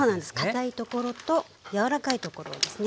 かたいところと柔らかいところですね。